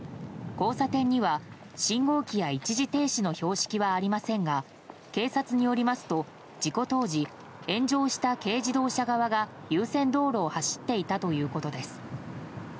交差点には、信号機や一時停止の標識はありませんが警察によりますと事故当時、炎上した軽自動車側が優先道路を走っていたということです。